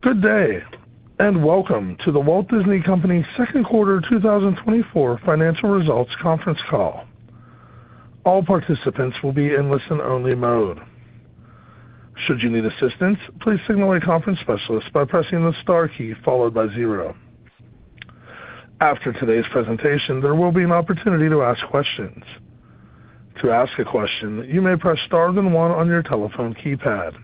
Good day and welcome to The Walt Disney Company Q2 2024 financial results conference call. All participants will be in listen-only mode. Should you need assistance, please signal a conference specialist by pressing the star key followed by zero. After today's presentation, there will be an opportunity to ask questions. To ask a question, you may press star then one on your telephone keypad.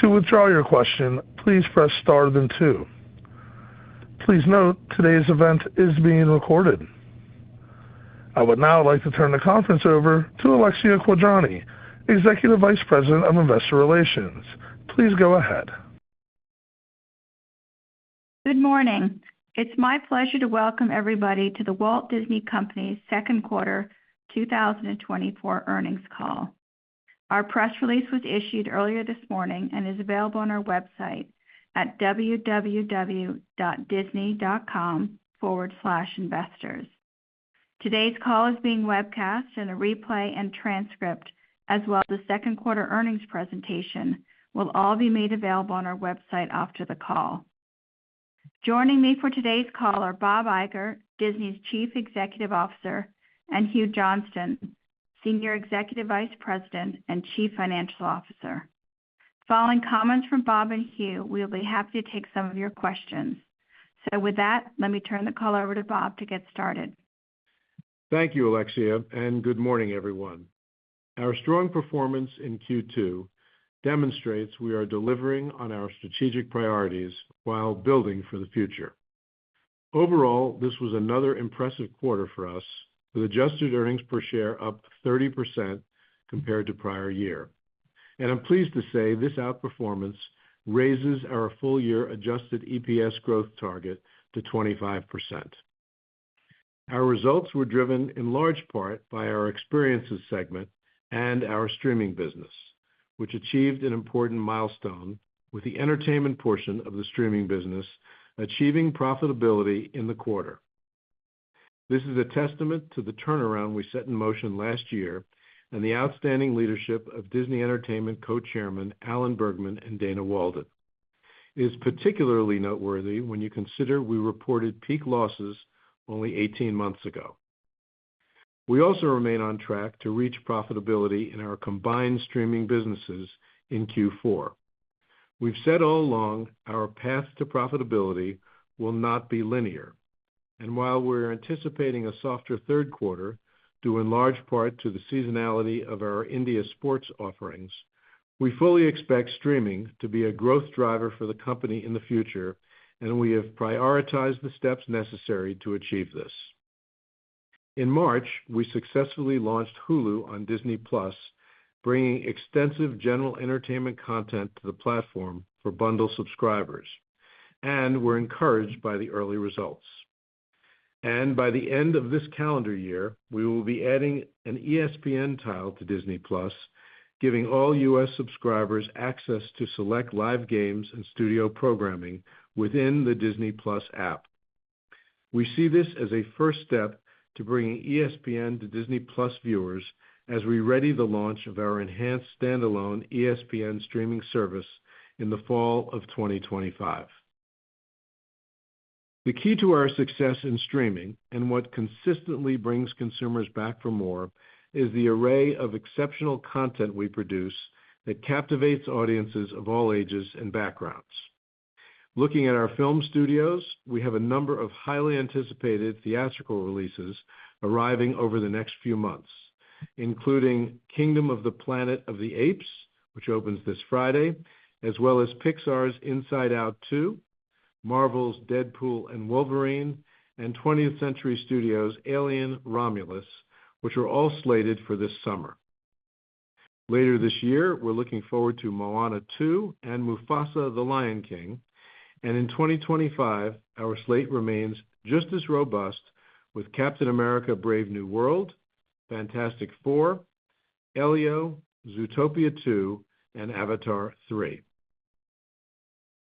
To withdraw your question, please press star then two. Please note, today's event is being recorded. I would now like to turn the conference over to Alexia Quadrani, Executive Vice President of Investor Relations. Please go ahead. Good morning. It's my pleasure to welcome everybody to The Walt Disney Company Q2 2024 earnings call. Our press release was issued earlier this morning and is available on our website at www.disney.com/investors. Today's call is being webcast, and a replay and transcript, as well as the Q2 earnings presentation, will all be made available on our website after the call. Joining me for today's call are Bob Iger, Disney's Chief Executive Officer, and Hugh Johnston, Senior Executive Vice President and Chief Financial Officer. Following comments from Bob and Hugh, we'll be happy to take some of your questions. With that, let me turn the call over to Bob to get started. Thank you, Alexia, and good morning, everyone. Our strong performance in Q2 demonstrates we are delivering on our strategic priorities while building for the future. Overall, this was another impressive quarter for us, with adjusted earnings per share up 30% compared to prior year. I'm pleased to say this outperformance raises our full-year adjusted EPS growth target to 25%. Our results were driven in large part by our Experiences and our streaming business, which achieved an important milestone, with the entertainment portion of the streaming business achieving profitability in the quarter. This is a testament to the turnaround we set in motion last year and the outstanding leadership of Disney Entertainment Co-Chairman Alan Bergman and Dana Walden. It is particularly noteworthy when you consider we reported peak losses only 18 months ago. We also remain on track to reach profitability in our combined streaming businesses in Q4. We've said all along our path to profitability will not be linear. While we're anticipating a softer Q3 due in large part to the seasonality of our India Sports offerings, we fully expect streaming to be a growth driver for the company in the future, and we have prioritized the steps necessary to achieve this. In March, we successfully launched Hulu on Disney+, bringing extensive general entertainment content to the platform for bundle subscribers, and were encouraged by the early results. By the end of this calendar year, we will be adding an ESPN tile to Disney+, giving all U.S. subscribers access to select live games and studio programming within the Disney+ app. We see this as a first step to bringing ESPN to Disney+ viewers as we ready the launch of our enhanced standalone ESPN streaming service in the fall of 2025. The key to our success in streaming and what consistently brings consumers back for more is the array of exceptional content we produce that captivates audiences of all ages and backgrounds. Looking at our film studios, we have a number of highly anticipated theatrical releases arriving over the next few months, including Kingdom of the Planet of the Apes, which opens this Friday, as well as Pixar's Inside Out 2, Marvel's Deadpool & Wolverine, and 20th Century Studios' Alien: Romulus, which are all slated for this summer. Later this year, we're looking forward to Moana 2 and Mufasa: The Lion King. And in 2025, our slate remains just as robust with Captain America: Brave New World, Fantastic Four, Elio, Zootopia 2, and Avatar 3.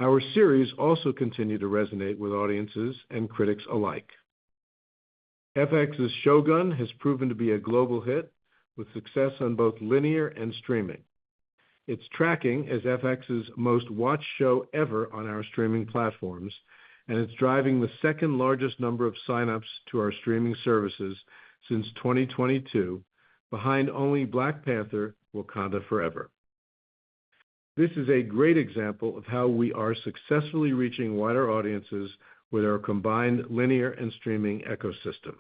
Our series also continue to resonate with audiences and critics alike. FX's Shōgun has proven to be a global hit with success on both linear and streaming. It's tracking as FX's most-watched show ever on our streaming platforms, and it's driving the second-largest number of signups to our streaming services since 2022, behind only Black Panther: Wakanda Forever. This is a great example of how we are successfully reaching wider audiences with our combined linear and streaming ecosystem.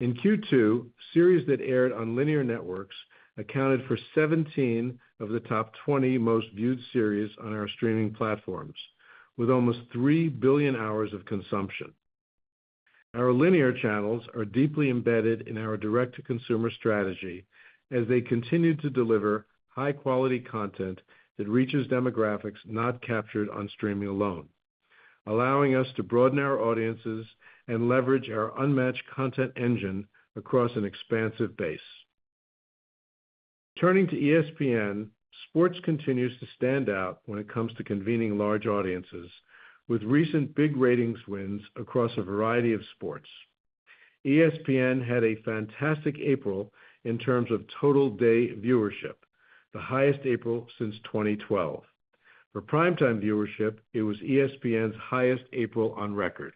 In Q2, series that aired on linear networks accounted for 17 of the top 20 most-viewed series on our streaming platforms, with almost 3 billion hours of consumption. Our linear channels are deeply embedded in our direct-to-consumer strategy as they continue to deliver high-quality content that reaches demographics not captured on streaming alone, allowing us to broaden our audiences and leverage our unmatched content engine across an expansive base. Turning to ESPN, sports continues to stand out when it comes to convening large audiences, with recent big ratings wins across a variety of sports. ESPN had a fantastic April in terms of total day viewership, the highest April since 2012. For primetime viewership, it was ESPN's highest April on record.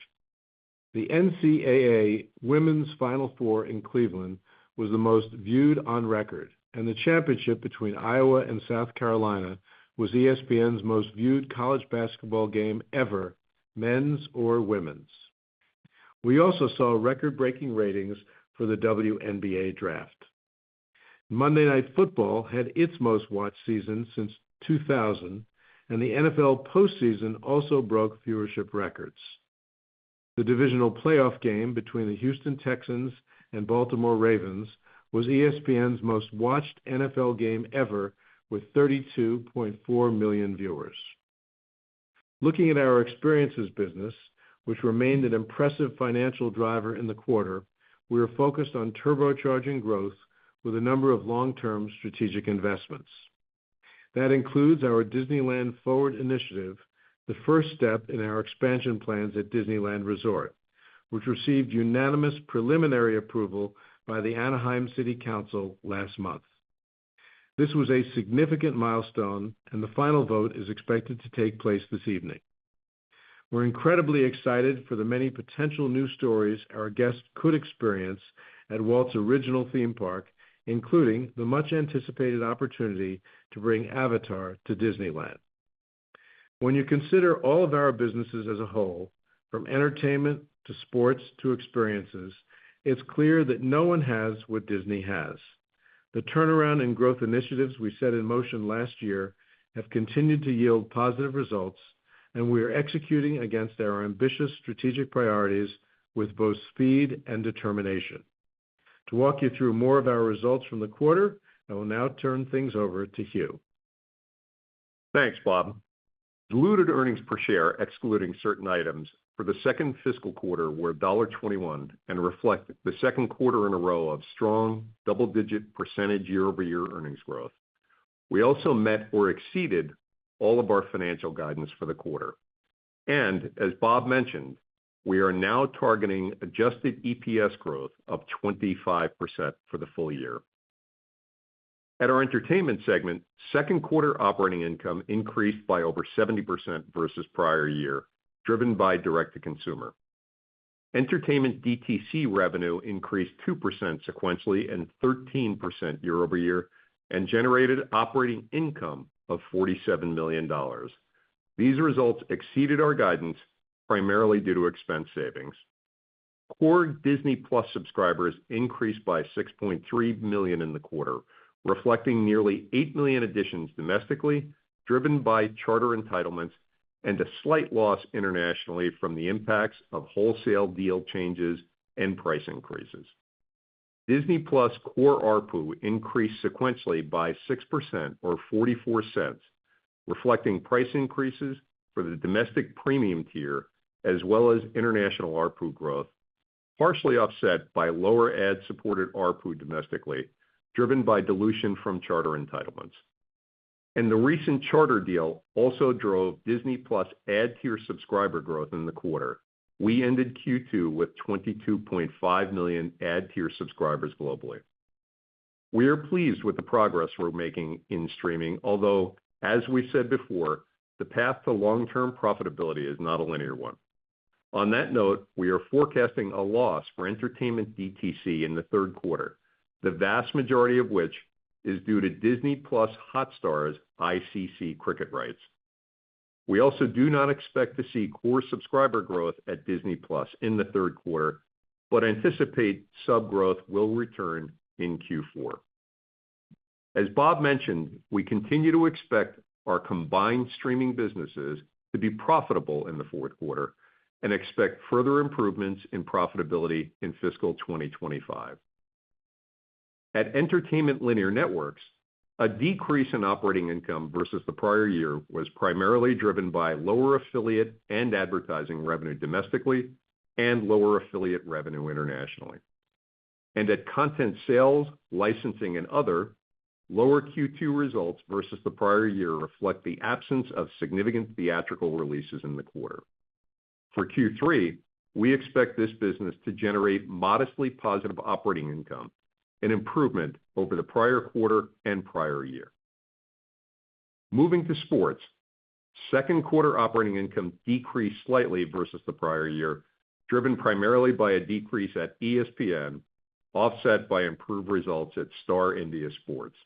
The NCAA Women's Final Four in Cleveland was the most viewed on record, and the championship between Iowa and South Carolina was ESPN's most-viewed college basketball game ever, men's or women's. We also saw record-breaking ratings for the WNBA Draft. Monday Night Football had its most-watched season since 2000, and the NFL postseason also broke viewership records. The divisional playoff game between the Houston Texans and Baltimore Ravens was ESPN's most-watched NFL game ever, with 32.4 million viewers. Looking at our experiences business, which remained an impressive financial driver in the quarter, we are focused on turbocharging growth with a number of long-term strategic investments. That includes our DisneylandForward initiative, the first step in our expansion plans at Disneyland Resort, which received unanimous preliminary approval by the Anaheim City Council last month. This was a significant milestone, and the final vote is expected to take place this evening. We're incredibly excited for the many potential new stories our guests could experience at Walt's original theme park, including the much-anticipated opportunity to bring Avatar to Disneyland. When you consider all of our businesses as a whole, from entertainment to sports to experiences, it's clear that no one has what Disney has. The turnaround and growth initiatives we set in motion last year have continued to yield positive results, and we are executing against our ambitious strategic priorities with both speed and determination. To walk you through more of our results from the quarter, I will now turn things over to Hugh. Thanks, Bob. Diluted earnings per share excluding certain items for the second FY quarter were $1.21 and reflect the Q2 in a row of strong double-digit percentage year-over-year earnings growth. We also met or exceeded all of our financial guidance for the quarter. As Bob mentioned, we are now targeting Adjusted EPS growth of 25% for the full year. At our Entertainment segment, Q2 operating income increased by over 70% versus prior year, driven by Direct-to-Consumer. Entertainment DTC revenue increased 2% sequentially and 13% year-over-year and generated operating income of $47 million. These results exceeded our guidance, primarily due to expense savings. Core Disney+ subscribers increased by 6.3 million in the quarter, reflecting nearly 8 million additions domestically, driven by charter entitlements and a slight loss internationally from the impacts of wholesale deal changes and price increases. Disney+ core ARPU increased sequentially by 6% or $0.44, reflecting price increases for the domestic premium tier as well as international ARPU growth, partially offset by lower ad-supported ARPU domestically, driven by dilution from charter entitlements. The recent charter deal also drove Disney+ ad-tier subscriber growth in the quarter. We ended Q2 with 22.5 million ad-tier subscribers globally. We are pleased with the progress we're making in streaming, although, as we said before, the path to long-term profitability is not a linear one. On that note, we are forecasting a loss for Entertainment DTC in the Q3, the vast majority of which is due to Disney+ Hotstar's ICC cricket rights. We also do not expect to see core subscriber growth at Disney+ in the Q3, but anticipate sub-growth will return in Q4. As Bob mentioned, we continue to expect our combined streaming businesses to be profitable in the Q4 and expect further improvements in profitability in FY 2025. At Entertainment Linear Networks, a decrease in operating income versus the prior year was primarily driven by lower affiliate and advertising revenue domestically and lower affiliate revenue internationally. At content Sales, licensing, and other, lower Q2 results versus the prior year reflect the absence of significant theatrical releases in the quarter. For Q3, we expect this business to generate modestly positive operating income, an improvement over the prior quarter and prior year. Moving to sports, Q2 operating income decreased slightly versus the prior year, driven primarily by a decrease at ESPN, offset by improved results at Star India Sports.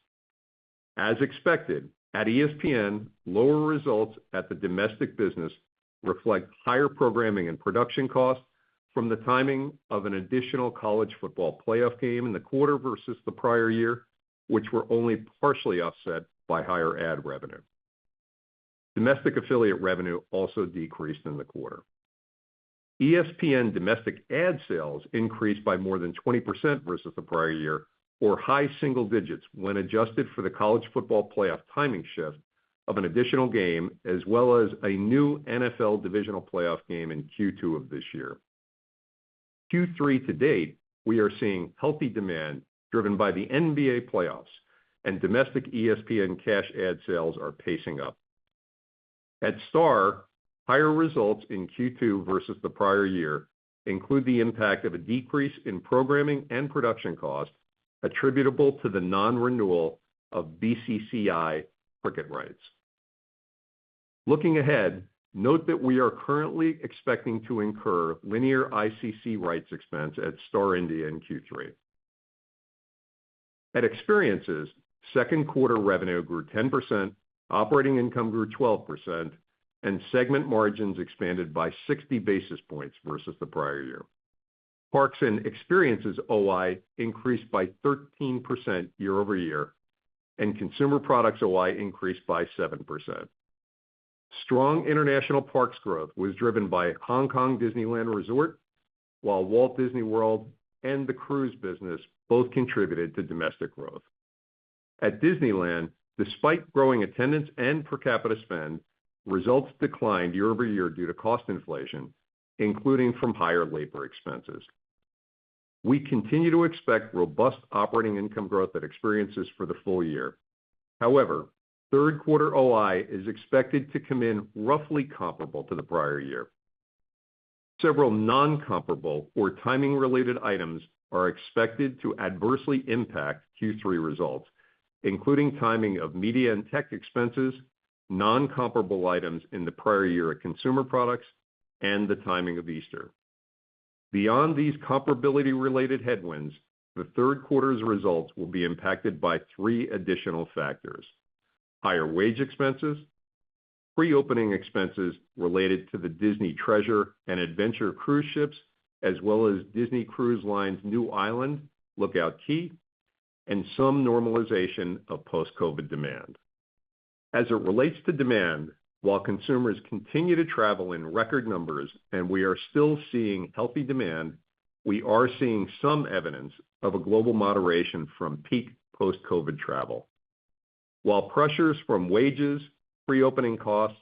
As expected, at ESPN, lower results at the domestic business reflect higher programming and production costs from the timing of an additional college football playoff game in the quarter versus the prior year, which were only partially offset by higher ad revenue. Domestic affiliate revenue also decreased in the quarter. ESPN domestic ad sales increased by more than 20% versus the prior year, or high single digits when adjusted for the college football playoff timing shift of an additional game as well as a new NFL divisional playoff game in Q2 of this year. Q3 to date, we are seeing healthy demand driven by the NBA playoffs, and domestic ESPN cash ad sales are pacing up. At Star, higher results in Q2 versus the prior year include the impact of a decrease in programming and production costs attributable to the non-renewal of BCCI cricket rights. Looking ahead, note that we are currently expecting to incur linear ICC rights expense at Star India in Q3. At experiences, Q2 revenue grew 10%, operating income grew 12%, and segment margins expanded by 60 basis points versus the prior year. Parks and experiences OI increased by 13% year-over-year, and Consumer Products OI increased by 7%. Strong international parks growth was driven by Hong Kong Disneyland Resort, while Walt Disney World and the cruise business both contributed to domestic growth. At Disneyland, despite growing attendance and per capita spend, results declined year-over-year due to cost inflation, including from higher labor expenses. We continue to expect robust operating income growth at experiences for the full year. However, Q3 OI is expected to come in roughly comparable to the prior year. Several non-comparable or timing-related items are expected to adversely impact Q3 results, including timing of media and tech expenses, non-comparable items in the prior year at Consumer Products, and the timing of Easter. Beyond these comparability-related headwinds, the Q3's results will be impacted by three additional factors: higher wage expenses, pre-opening expenses related to the Disney Treasure and Disney Adventure cruise ships as well as Disney Cruise Line's new island Lookout Cay, and some normalization of post-COVID demand. As it relates to demand, while consumers continue to travel in record numbers and we are still seeing healthy demand, we are seeing some evidence of a global moderation from peak post-COVID travel. While pressures from wages, pre-opening costs,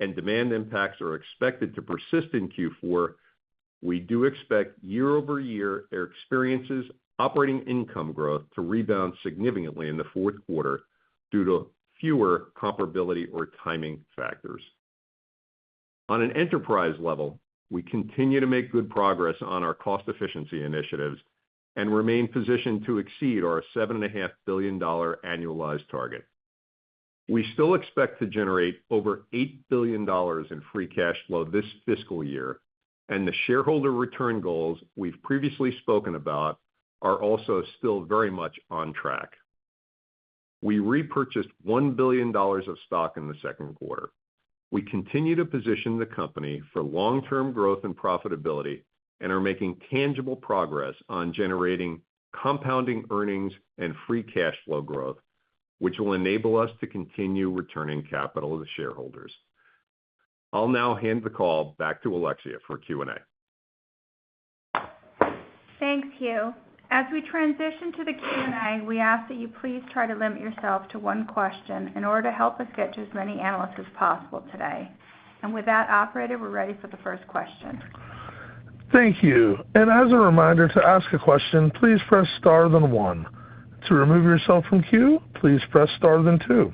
and demand impacts are expected to persist in Q4, we do expect year-over-year experiences operating income growth to rebound significantly in the Q4 due to fewer comparability or timing factors. On an enterprise level, we continue to make good progress on our cost efficiency initiatives and remain positioned to exceed our $7.5 billion annualized target. We still expect to generate over $8 billion in free cash flow this FY year, and the shareholder return goals we've previously spoken about are also still very much on track. We repurchased $1 billion of stock in the Q2. We continue to position the company for long-term growth and profitability and are making tangible progress on generating compounding earnings and free cash flow growth, which will enable us to continue returning capital to shareholders. I'll now hand the call back to Alexia for Q&A. Thanks, Hugh. As we transition to the Q&A, we ask that you please try to limit yourself to one question in order to help us get to as many analysts as possible today. With that, operator, we're ready for the first question. Thank you. As a reminder, to ask a question, please press star then one. To remove yourself from queue, please press star then two.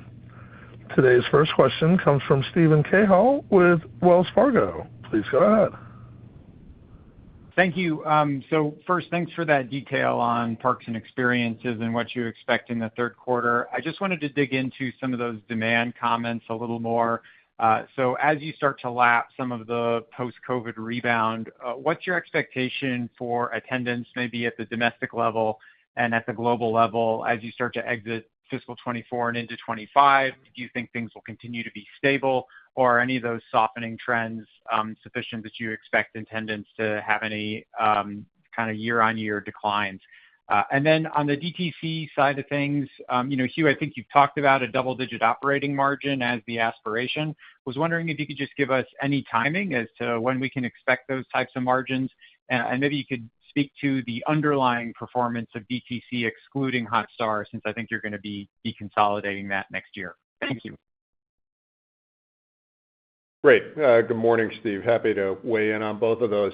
Today's first question comes from Steven Cahall with Wells Fargo. Please go ahead. Thank you. So first, thanks for that detail on parks and experiences and what you expect in the Q3. I just wanted to dig into some of those demand comments a little more. So as you start to lap some of the post-COVID rebound, what's your expectation for attendance, maybe at the domestic level and at the global level, as you start to exit FY 2024 and into 2025? Do you think things will continue to be stable, or are any of those softening trends sufficient that you expect attendance to have any kind of year-on-year declines? And then on the DTC side of things, Hugh, I think you've talked about a double-digit operating margin as the aspiration. I was wondering if you could just give us any timing as to when we can expect those types of margins, and maybe you could speak to the underlying performance of DTC excluding Hotstar since I think you're going to be deconsolidating that next year. Thank you. Great. Good morning, Steve. Happy to weigh in on both of those.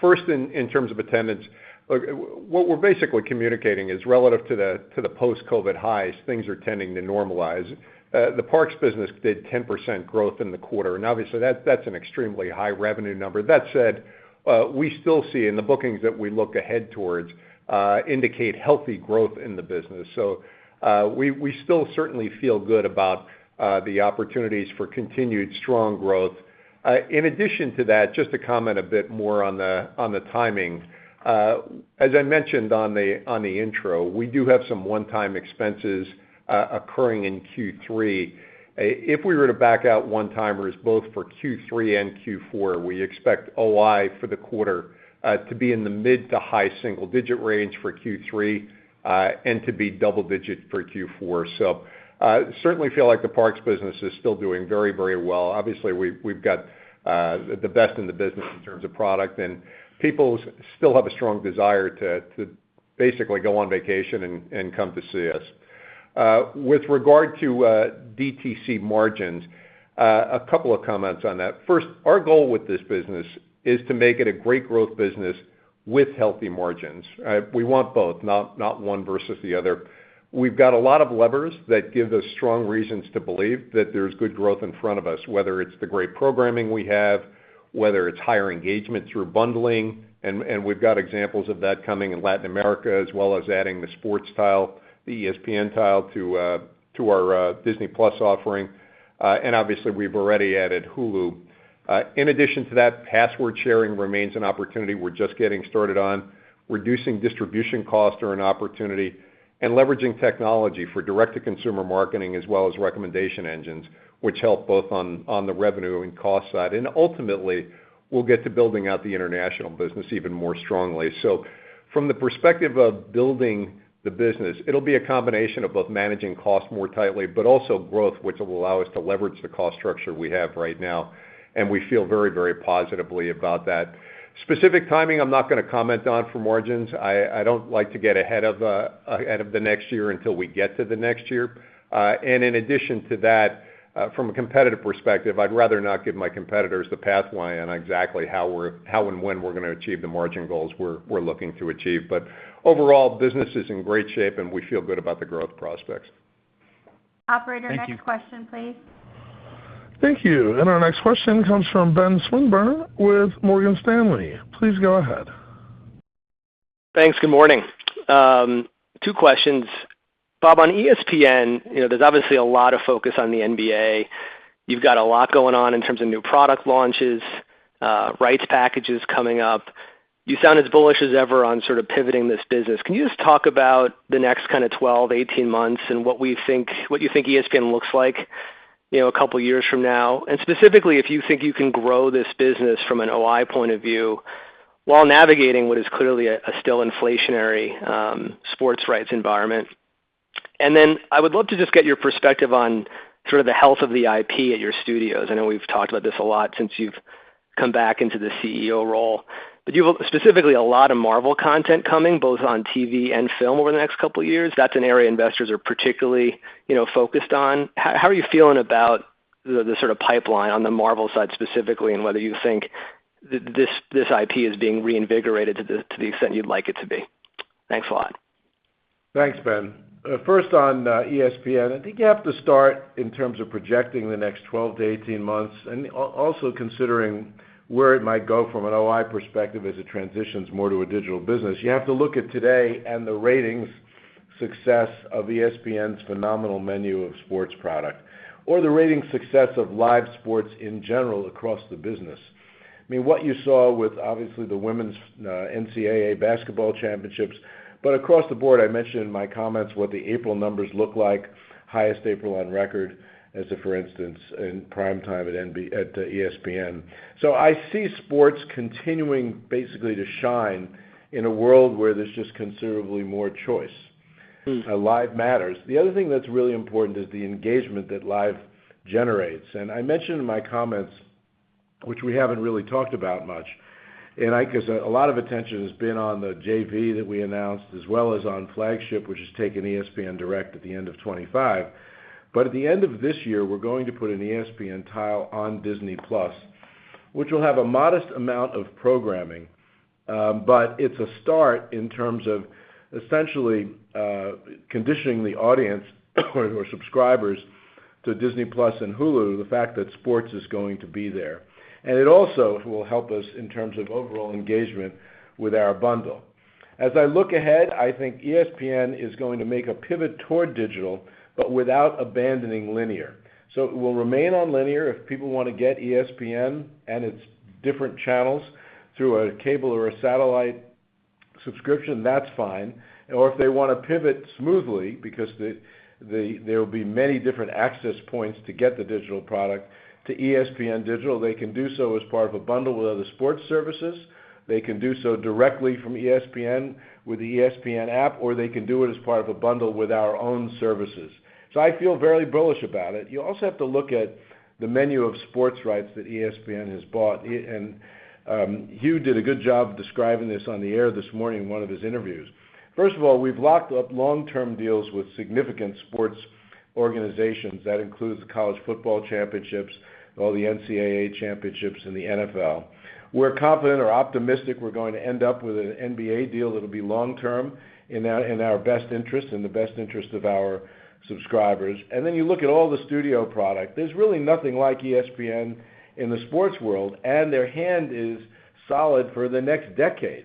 First, in terms of attendance, what we're basically communicating is relative to the post-COVID highs, things are tending to normalize. The parks business did 10% growth in the quarter, and obviously, that's an extremely high revenue number. That said, we still see in the bookings that we look ahead towards indicate healthy growth in the business. So we still certainly feel good about the opportunities for continued strong growth. In addition to that, just to comment a bit more on the timing, as I mentioned on the intro, we do have some one-time expenses occurring in Q3. If we were to back out one-timers both for Q3 and Q4, we expect OI for the quarter to be in the mid to high single-digit range for Q3 and to be double-digit for Q4. So certainly feel like the parks business is still doing very, very well. Obviously, we've got the best in the business in terms of product, and people still have a strong desire to basically go on vacation and come to see us. With regard to DTC margins, a couple of comments on that. First, our goal with this business is to make it a great growth business with healthy margins. We want both, not one versus the other. We've got a lot of levers that give us strong reasons to believe that there's good growth in front of us, whether it's the great programming we have, whether it's higher engagement through bundling. And we've got examples of that coming in Latin America as well as adding the sports tile, the ESPN tile, to our Disney+ offering. And obviously, we've already added Hulu. In addition to that, password sharing remains an opportunity we're just getting started on. Reducing distribution costs are an opportunity, and leveraging technology for direct-to-consumer marketing as well as recommendation engines, which help both on the revenue and cost side. And ultimately, we'll get to building out the international business even more strongly. So from the perspective of building the business, it'll be a combination of both managing costs more tightly but also growth, which will allow us to leverage the cost structure we have right now. And we feel very, very positively about that. Specific timing, I'm not going to comment on for margins. I don't like to get ahead of the next year until we get to the next year. In addition to that, from a competitive perspective, I'd rather not give my competitors the pathway on exactly how and when we're going to achieve the margin goals we're looking to achieve. Overall, business is in great shape, and we feel good about the growth prospects. Operator, next question, please. Thank you. And our next question comes from Ben Swinburne with Morgan Stanley. Please go ahead. Thanks. Good morning. Two questions. Bob, on ESPN, there's obviously a lot of focus on the NBA. You've got a lot going on in terms of new product launches, rights packages coming up. You sound as bullish as ever on sort of pivoting this business. Can you just talk about the next kind of 12, 18 months and what you think ESPN looks like a couple of years from now, and specifically if you think you can grow this business from an OI point of view while navigating what is clearly a still inflationary sports rights environment? And then I would love to just get your perspective on sort of the health of the IP at your studios. I know we've talked about this a lot since you've come back into the CEO role. But you have specifically a lot of Marvel content coming both on TV and film over the next couple of years. That's an area investors are particularly focused on. How are you feeling about the sort of pipeline on the Marvel side specifically and whether you think this IP is being reinvigorated to the extent you'd like it to be? Thanks a lot. Thanks, Ben. First, on ESPN, I think you have to start in terms of projecting the next 12 to 18 months and also considering where it might go from an OI perspective as it transitions more to a digital business. You have to look at today and the ratings success of ESPN's phenomenal menu of sports product or the ratings success of live sports in general across the business. I mean, what you saw with obviously the women's NCAA basketball championships, but across the board, I mentioned in my comments what the April numbers look like, highest April on record as to, for instance, prime time at ESPN. So I see sports continuing basically to shine in a world where there's just considerably more choice. Live matters. The other thing that's really important is the engagement that live generates. I mentioned in my comments, which we haven't really talked about much, because a lot of attention has been on the JV that we announced as well as on Flagship, which is taking ESPN Direct at the end of 2025. But at the end of this year, we're going to put an ESPN tile on Disney+, which will have a modest amount of programming, but it's a start in terms of essentially conditioning the audience or subscribers to Disney+ and Hulu, the fact that sports is going to be there. And it also will help us in terms of overall engagement with our bundle. As I look ahead, I think ESPN is going to make a pivot toward digital but without abandoning linear. So it will remain on linear. If people want to get ESPN and its different channels through a cable or a satellite subscription, that's fine. Or if they want to pivot smoothly because there will be many different access points to get the digital product to ESPN Digital, they can do so as part of a bundle with other sports services. They can do so directly from ESPN with the ESPN app, or they can do it as part of a bundle with our own services. So I feel very bullish about it. You also have to look at the menu of sports rights that ESPN has bought. And Hugh did a good job describing this on the air this morning in one of his interviews. First of all, we've locked up long-term deals with significant sports organizations. That includes the college football championships, all the NCAA championships, and the NFL. We're confident or optimistic we're going to end up with an NBA deal that'll be long-term in our best interest, in the best interest of our subscribers. And then you look at all the studio product. There's really nothing like ESPN in the sports world, and their hand is solid for the next decade.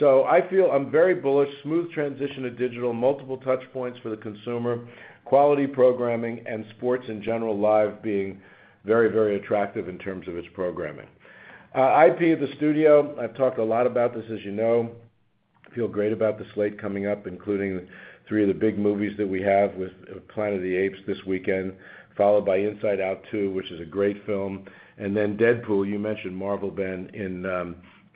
So I feel I'm very bullish: smooth transition to digital, multiple touchpoints for the consumer, quality programming, and sports in general live being very, very attractive in terms of its programming. IP of the studio, I've talked a lot about this, as you know. I feel great about the slate coming up, including three of the big movies that we have with Planet of the Apes this weekend, followed by Inside Out 2, which is a great film. And then Deadpool, you mentioned Marvel, Ben,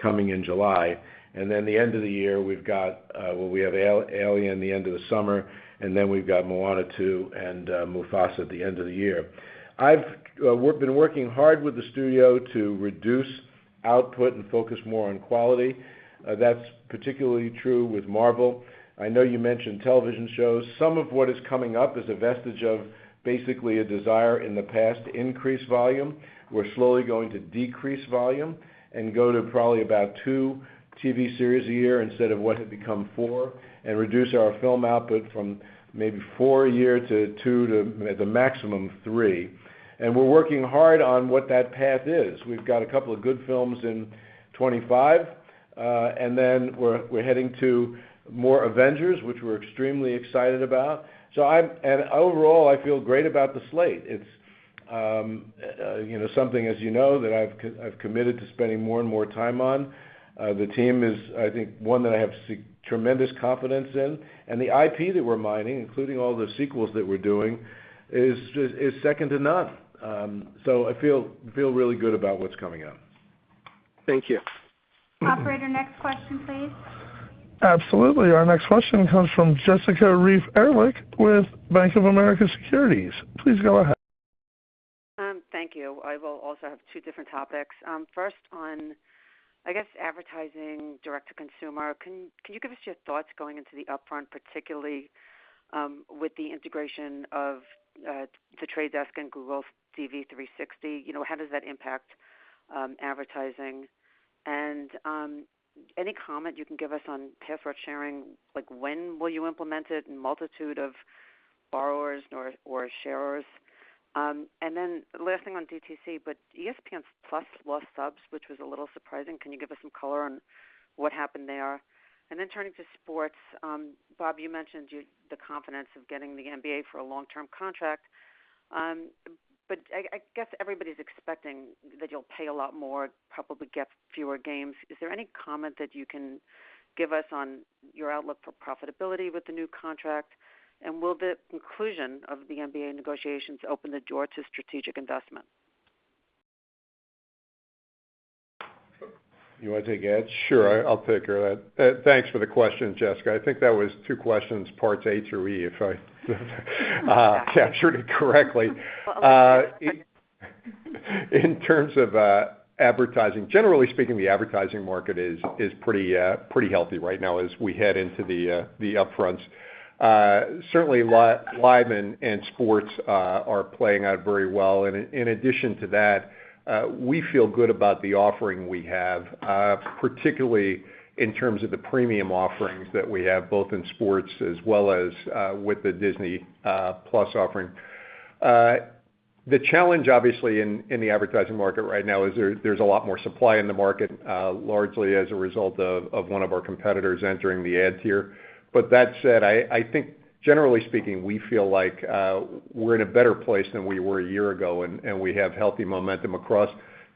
coming in July. Then the end of the year, we've got well, we have Alien the end of the summer, and then we've got Moana 2 and Mufasa at the end of the year. We've been working hard with the studio to reduce output and focus more on quality. That's particularly true with Marvel. I know you mentioned television shows. Some of what is coming up is a vestige of basically a desire in the past to increase volume. We're slowly going to decrease volume and go to probably about two TV series a year instead of what had become four and reduce our film output from maybe four a year to two to the maximum three. And we're working hard on what that path is. We've got a couple of good films in 2025, and then we're heading to more Avengers, which we're extremely excited about. Overall, I feel great about the slate. It's something, as you know, that I've committed to spending more and more time on. The team is, I think, one that I have tremendous confidence in. The IP that we're mining, including all the sequels that we're doing, is second to none. I feel really good about what's coming up. Thank you. Operator, next question, please. Absolutely. Our next question comes from Jessica Reif Ehrlich with Bank of America Securities. Please go ahead. Thank you. I will also have two different topics. First, on, I guess, advertising direct to consumer, can you give us your thoughts going into the upfronts, particularly with the integration of The Trade Desk and Google's DV360? How does that impact advertising? And any comment you can give us on password sharing? When will you implement it? Multitude of borrowers or sharers. And then last thing on DTC, but ESPN+ lost subs, which was a little surprising. Can you give us some color on what happened there? And then turning to sports, Bob, you mentioned the confidence of getting the NBA for a long-term contract. But I guess everybody's expecting that you'll pay a lot more, probably get fewer games. Is there any comment that you can give us on your outlook for profitability with the new contract? Will the conclusion of the NBA negotiations open the door to strategic investment? You want to take Ed? Sure, I'll take her. Thanks for the question,. I think that was two questions, parts A through E, if I captured it correctly. In terms of advertising, generally speaking, the advertising market is pretty healthy right now as we head into the upfronts. Certainly, live and sports are playing out very well. And in addition to that, we feel good about the offering we have, particularly in terms of the premium offerings that we have both in sports as well as with the Disney+ offering. The challenge, obviously, in the advertising market right now is there's a lot more supply in the market, largely as a result of one of our competitors entering the ad tier. But that said, I think, generally speaking, we feel like we're in a better place than we were a year ago, and we have healthy momentum across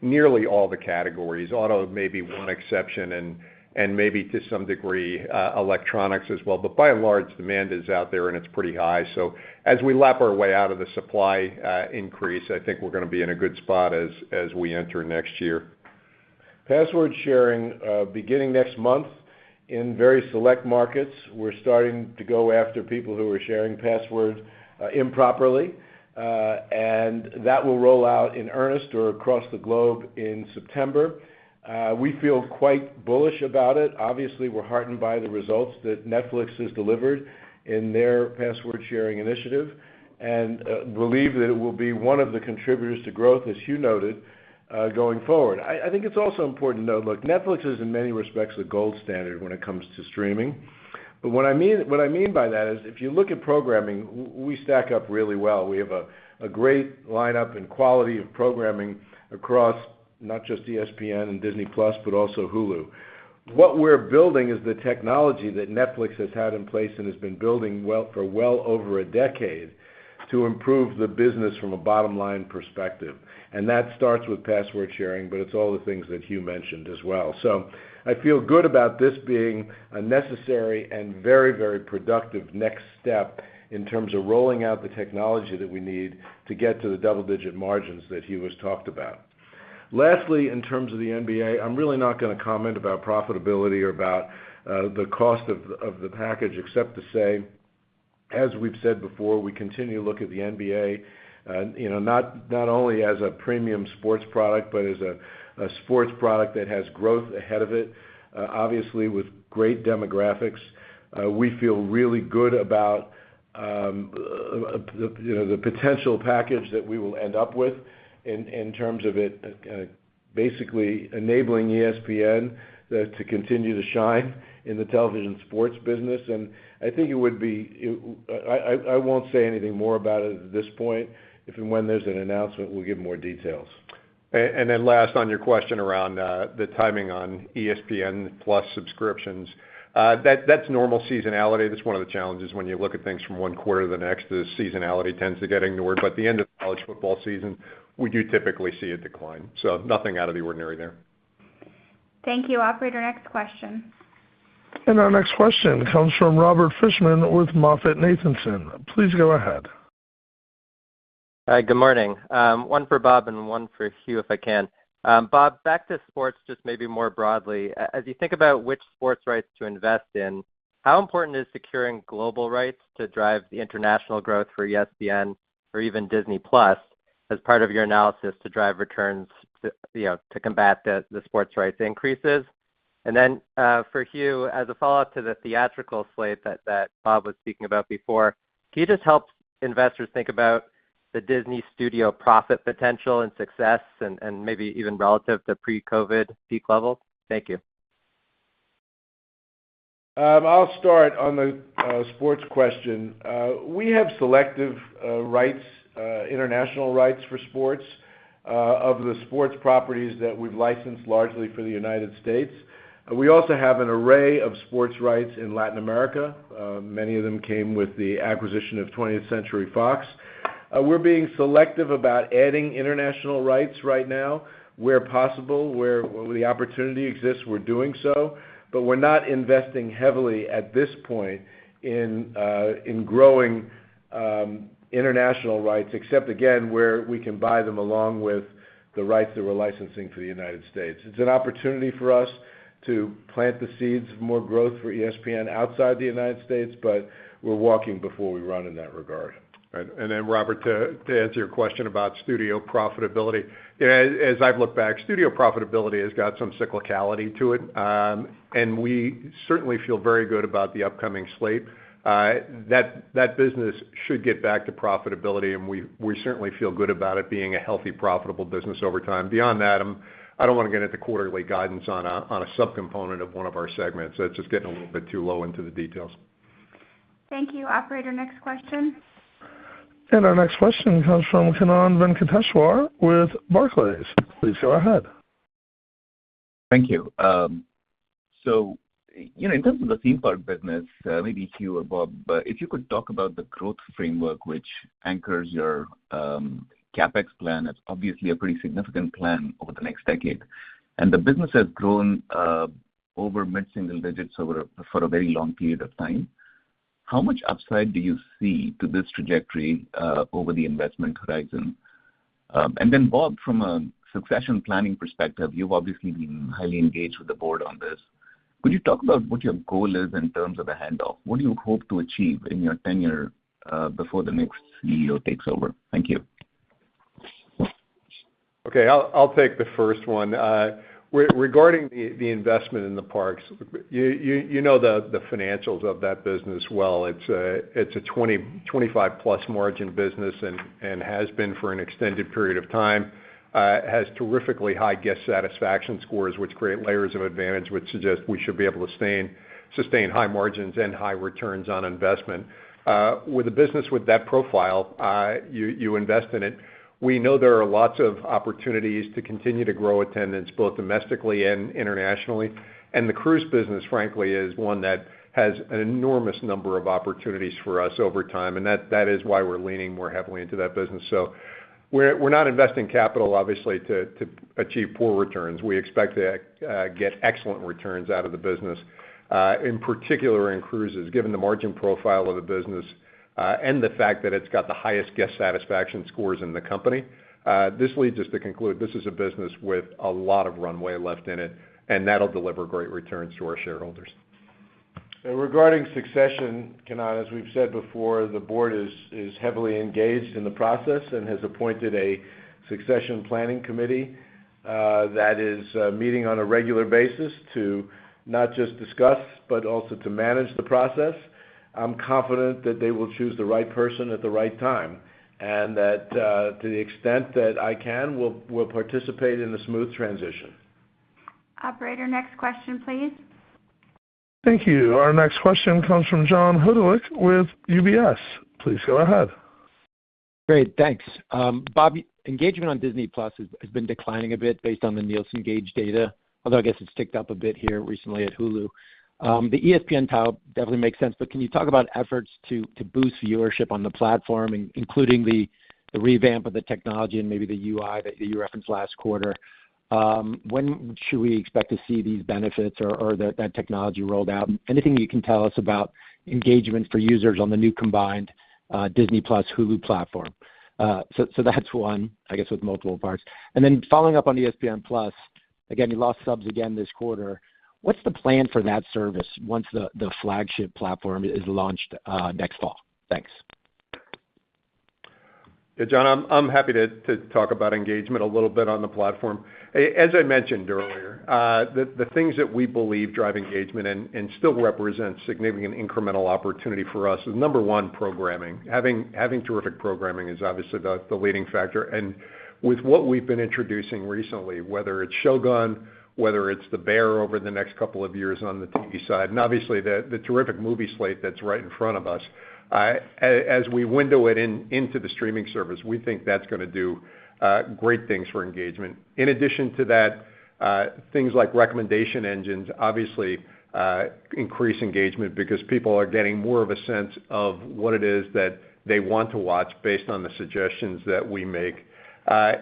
nearly all the categories, auto may be one exception and maybe to some degree electronics as well. But by and large, demand is out there, and it's pretty high. So as we lap our way out of the supply increase, I think we're going to be in a good spot as we enter next year. Password sharing beginning next month in very select markets. We're starting to go after people who are sharing passwords improperly. That will roll out in earnest or across the globe in September. We feel quite bullish about it. Obviously, we're heartened by the results that Netflix has delivered in their password sharing initiative and believe that it will be one of the contributors to growth, as you noted, going forward. I think it's also important to note, look, Netflix is in many respects the gold standard when it comes to streaming. But what I mean by that is if you look at programming, we stack up really well. We have a great lineup and quality of programming across not just ESPN and Disney+ but also Hulu. What we're building is the technology that Netflix has had in place and has been building for well over a decade to improve the business from a bottom-line perspective. And that starts with password sharing, but it's all the things that Hugh mentioned as well. So I feel good about this being a necessary and very, very productive next step in terms of rolling out the technology that we need to get to the double-digit margins that Hugh has talked about. Lastly, in terms of the NBA, I'm really not going to comment about profitability or about the cost of the package except to say, as we've said before, we continue to look at the NBA not only as a premium sports product but as a sports product that has growth ahead of it, obviously with great demographics. We feel really good about the potential package that we will end up with in terms of it basically enabling ESPN to continue to shine in the television sports business. And I think it would be. I won't say anything more about it at this point. If and when there's an announcement, we'll give more details. And then last, on your question around the timing on ESPN+ subscriptions, that's normal seasonality. That's one of the challenges when you look at things from one quarter to the next, the seasonality tends to get ignored. But the end of the college football season, we do typically see a decline. So nothing out of the ordinary there. Thank you. Operator, next question. Our next question comes from Robert Fishman with MoffettNathanson. Please go ahead. Hi. Good morning. One for Bob and one for Hugh if I can. Bob, back to sports just maybe more broadly. As you think about which sports rights to invest in, how important is securing global rights to drive the international growth for ESPN or even Disney+ as part of your analysis to drive returns to combat the sports rights increases? And then for Hugh, as a follow-up to the theatrical slate that Bob was speaking about before, can you just help investors think about the Disney studio profit potential and success and maybe even relative to pre-COVID peak levels? Thank you. I'll start on the sports question. We have selective rights, international rights for sports of the sports properties that we've licensed largely for the United States. We also have an array of sports rights in Latin America. Many of them came with the acquisition of 20th Century Fox. We're being selective about adding international rights right now where possible, where the opportunity exists, we're doing so. But we're not investing heavily at this point in growing international rights except, again, where we can buy them along with the rights that we're licensing for the United States. It's an opportunity for us to plant the seeds of more growth for ESPN outside the United States, but we're walking before we run in that regard. Then Robert, to answer your question about studio profitability, as I've looked back, studio profitability has got some cyclicality to it. And we certainly feel very good about the upcoming slate. That business should get back to profitability, and we certainly feel good about it being a healthy, profitable business over time. Beyond that, I don't want to get into quarterly guidance on a subcomponent of one of our segments. That's just getting a little bit too low into the details. Thank you. Operator, next question. Our next question comes from Kannan Venkateshwar with Barclays. Please go ahead. Thank you. So in terms of the theme park business, maybe Hugh or Bob, if you could talk about the growth framework which anchors your CapEx plan. It's obviously a pretty significant plan over the next decade. And the business has grown over mid-single digits for a very long period of time. How much upside do you see to this trajectory over the investment horizon? And then Bob, from a succession planning perspective, you've obviously been highly engaged with the board on this. Could you talk about what your goal is in terms of the handoff? What do you hope to achieve in your tenure before the next CEO takes over? Thank you. Okay. I'll take the first one. Regarding the investment in the parks, you know the financials of that business well. It's a 25-plus margin business and has been for an extended period of time. It has terrifically high guest satisfaction scores, which create layers of advantage which suggest we should be able to sustain high margins and high returns on investment. With a business with that profile, you invest in it. We know there are lots of opportunities to continue to grow attendance both domestically and internationally. And the cruise business, frankly, is one that has an enormous number of opportunities for us over time. And that is why we're leaning more heavily into that business. So we're not investing capital, obviously, to achieve poor returns. We expect to get excellent returns out of the business, in particular in cruises, given the margin profile of the business and the fact that it's got the highest guest satisfaction scores in the company. This leads us to conclude this is a business with a lot of runway left in it, and that'll deliver great returns to our shareholders. Regarding succession, Kannan, as we've said, the board is heavily engaged in the process and has appointed a succession planning committee that is meeting on a regular basis to not just discuss but also to manage the process. I'm confident that they will choose the right person at the right time and that, to the extent that I can, we'll participate in a smooth transition. Operator, next question, please. Thank you. Our next question comes from John Hodulik with UBS. Please go ahead. Great. Thanks. Bob, engagement on Disney+ has been declining a bit based on the Nielsen Gauge data, although I guess it's ticked up a bit here recently at Hulu. The ESPN tie-up definitely makes sense, but can you talk about efforts to boost viewership on the platform, including the revamp of the technology and maybe the UI that you referenced last quarter? When should we expect to see these benefits or that technology rolled out? Anything you can tell us about engagement for users on the new combined Disney+ Hulu platform? So that's one, I guess, with multiple parts. And then following up on ESPN+, again, you lost subs again this quarter. What's the plan for that service once the Flagship platform is launched next fall? Thanks. Yeah, John, I'm happy to talk about engagement a little bit on the platform. As I mentioned earlier, the things that we believe drive engagement and still represent significant incremental opportunity for us is, number one, programming. Having terrific programming is obviously the leading factor. With what we've been introducing recently, whether it's Shōgun, whether it's The Bear over the next couple of years on the TV side, and obviously the terrific movie slate that's right in front of us, as we window it into the streaming service, we think that's going to do great things for engagement. In addition to that, things like recommendation engines, obviously, increase engagement because people are getting more of a sense of what it is that they want to watch based on the suggestions that we make.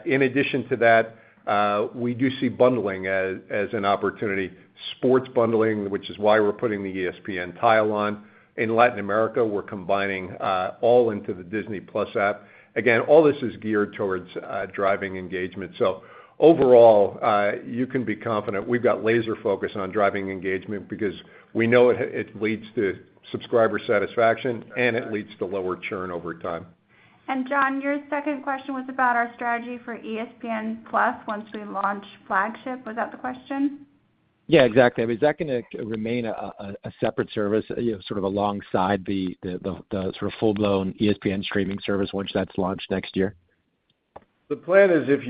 In addition to that, we do see bundling as an opportunity, sports bundling, which is why we're putting the ESPN tie-up on. In Latin America, we're combining all into the Disney+ app. Again, all this is geared towards driving engagement. So overall, you can be confident we've got laser focus on driving engagement because we know it leads to subscriber satisfaction, and it leads to lower churn over time. John, your second question was about our strategy for ESPN+ once we launch Flagship. Was that the question? Yeah, exactly. I mean, is that going to remain a separate service sort of alongside the sort of full-blown ESPN streaming service once that's launched next year? The plan is, if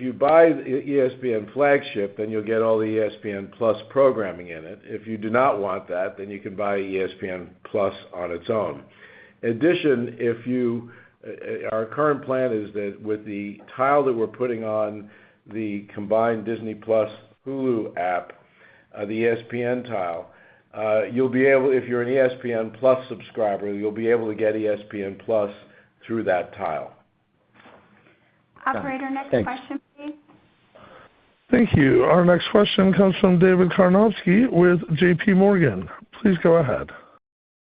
you buy ESPN Flagship, then you'll get all the ESPN+ programming in it. If you do not want that, then you can buy ESPN+ on its own. In addition, our current plan is that with the tile that we're putting on the combined Disney+ Hulu app, the ESPN tile, you'll be able if you're an ESPN+ subscriber, you'll be able to get ESPN+ through that tile. Operator, next question, please. Thank you. Our next question comes from David Karnovsky with J.P. Morgan. Please go ahead.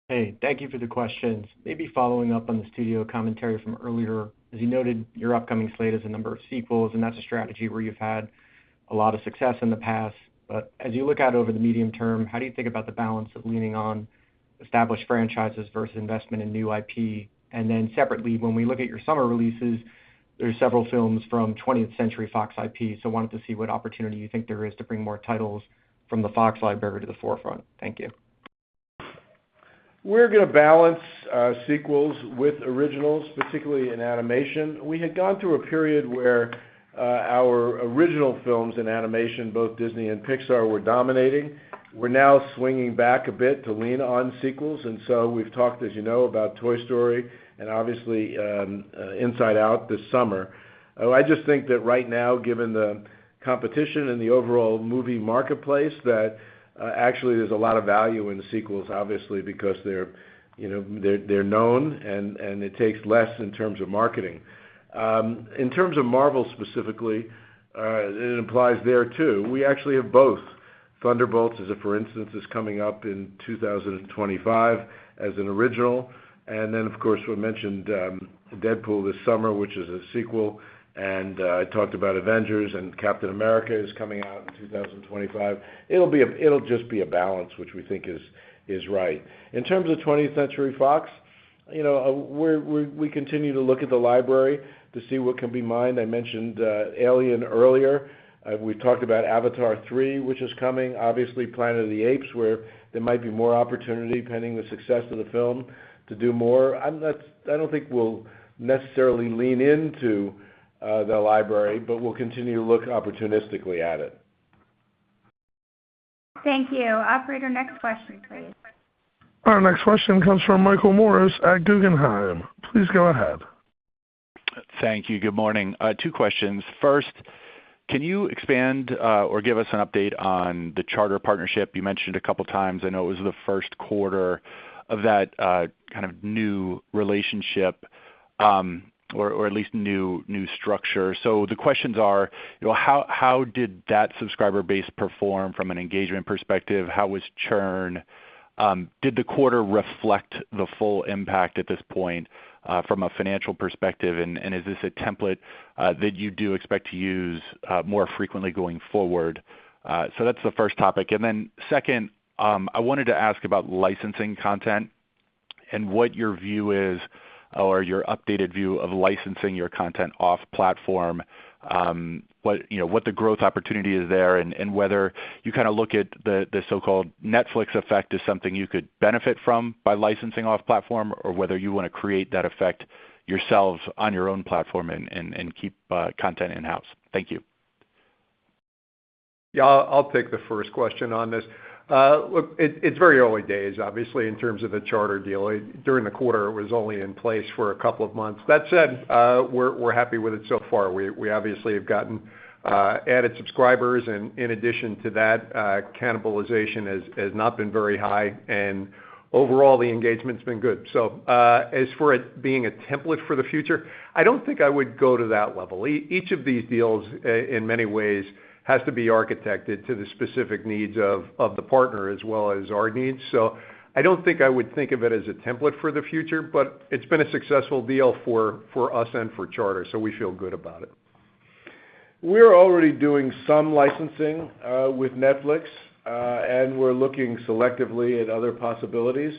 Hey, thank you for the questions. Maybe following up on the studio commentary from earlier. As you noted, your upcoming slate is a number of sequels, and that's a strategy where you've had a lot of success in the past. But as you look out over the medium term, how do you think about the balance of leaning on established franchises versus investment in new IP? And then separately, when we look at your summer releases, there's several films from 20th Century Studios IP. So I wanted to see what opportunity you think there is to bring more titles from the Fox library to the forefront. Thank you. We're going to balance sequels with originals, particularly in animation. We had gone through a period where our original films in animation, both Disney and Pixar, were dominating. We're now swinging back a bit to lean on sequels. We've talked, as you know, about Toy Story and obviously Inside Out this summer. I just think that right now, given the competition and the overall movie marketplace, that actually there's a lot of value in sequels, obviously, because they're known and it takes less in terms of marketing. In terms of Marvel specifically, it implies there too. We actually have both. Thunderbolts, for instance, is coming up in 2025 as an original. Then, of course, we mentioned Deadpool this summer, which is a sequel. I talked about Avengers, and Captain America is coming out in 2025. It'll just be a balance, which we think is right. In terms of 20th Century Fox, we continue to look at the library to see what can be mined. I mentioned Alien earlier. We've talked about Avatar 3, which is coming, obviously, Planet of the Apes, where there might be more opportunity pending the success of the film to do more. I don't think we'll necessarily lean into the library, but we'll continue to look opportunistically at it. Thank you. Operator, next question, please. Our next question comes from Michael Morris at Guggenheim. Please go ahead. Thank you. Good morning. Two questions. First, can you expand or give us an update on the charter partnership? You mentioned it a couple of times. I know it was the Q1 of that kind of new relationship or at least new structure. So the questions are, how did that subscriber base perform from an engagement perspective? How was churn? Did the quarter reflect the full impact at this point from a financial perspective? And is this a template that you do expect to use more frequently going forward? So that's the first topic. Second, I wanted to ask about licensing content and what your view is or your updated view of licensing your content off-platform, what the growth opportunity is there, and whether you kind of look at the so-called Netflix effect as something you could benefit from by licensing off-platform or whether you want to create that effect yourselves on your own platform and keep content in-house. Thank you. Yeah, I'll take the first question on this. Look, it's very early days, obviously, in terms of the Charter deal. During the quarter, it was only in place for a couple of months. That said, we're happy with it so far. We obviously have gotten added subscribers. And in addition to that, cannibalization has not been very high. And overall, the engagement's been good. So as for it being a template for the future, I don't think I would go to that level. Each of these deals, in many ways, has to be architected to the specific needs of the partner as well as our needs. So I don't think I would think of it as a template for the future, but it's been a successful deal for us and for Charter, so we feel good about it. We're already doing some licensing with Netflix, and we're looking selectively at other possibilities.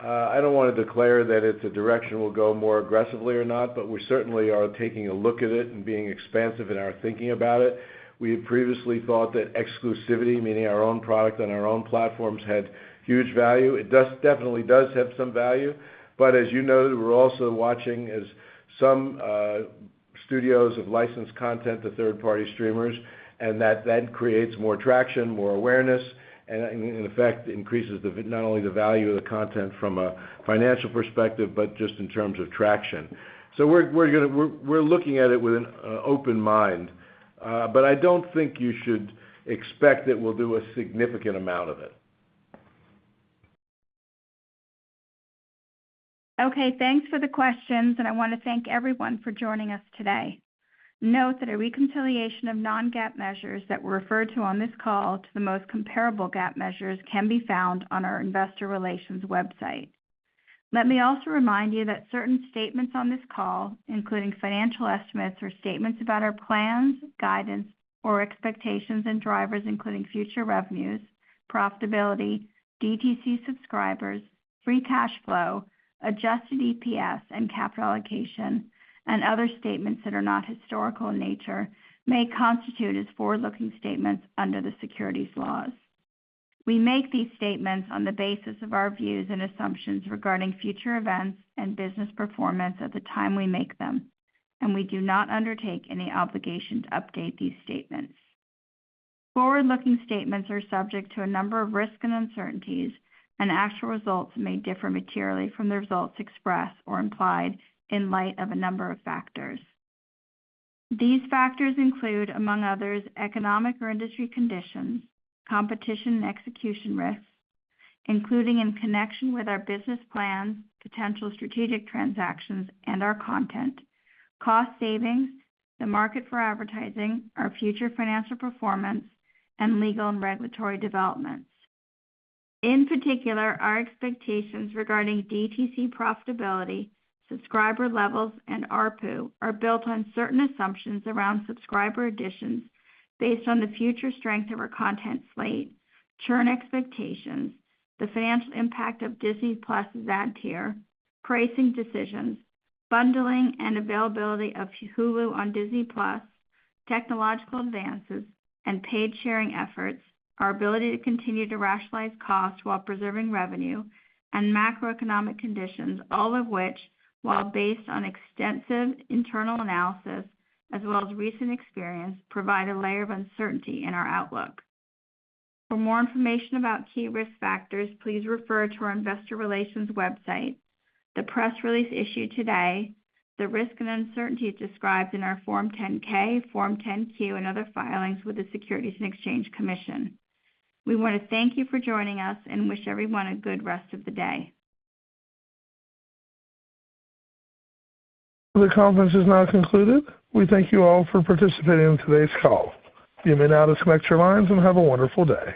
I don't want to declare that it's a direction we'll go more aggressively or not, but we certainly are taking a look at it and being expansive in our thinking about it. We had previously thought that exclusivity, meaning our own product on our own platforms, had huge value. It definitely does have some value. But as you noted, we're also watching as some studios have licensed content to third-party streamers, and that then creates more traction, more awareness, and in effect, increases not only the value of the content from a financial perspective but just in terms of traction. So we're looking at it with an open mind. But I don't think you should expect that we'll do a significant amount of it. Okay. Thanks for the questions, and I want to thank everyone for joining us today. Note that a reconciliation of non-GAAP measures that were referred to on this call to the most comparable GAAP measures can be found on our investor relations website. Let me also remind you that certain statements on this call, including financial estimates or statements about our plans, guidance, or expectations and drivers, including future revenues, profitability, DTC subscribers, free cash flow, adjusted EPS, and capital allocation, and other statements that are not historical in nature, may constitute as forward-looking statements under the securities laws. We make these statements on the basis of our views and assumptions regarding future events and business performance at the time we make them. We do not undertake any obligation to update these statements. Forward-looking statements are subject to a number of risk and uncertainties, and actual results may differ materially from the results expressed or implied in light of a number of factors. These factors include, among others, economic or industry conditions, competition and execution risks, including in connection with our business plans, potential strategic transactions, and our content, cost savings, the market for advertising, our future financial performance, and legal and regulatory developments. In particular, our expectations regarding DTC profitability, subscriber levels, and ARPU are built on certain assumptions around subscriber additions based on the future strength of our content slate, churn expectations, the financial impact of Disney+'s ad tier, pricing decisions, bundling and availability of Hulu on Disney+, technological advances, and paid sharing efforts, our ability to continue to rationalize costs while preserving revenue, and macroeconomic conditions, all of which, while based on extensive internal analysis as well as recent experience, provide a layer of uncertainty in our outlook. For more information about key risk factors, please refer to our investor relations website, the press release issued today, the risk and uncertainty described in our Form 10-K, Form 10-Q, and other filings with the Securities and Exchange Commission. We want to thank you for joining us and wish everyone a good rest of the day. The conference is now concluded. We thank you all for participating in today's call. You may now disconnect your lines and have a wonderful day.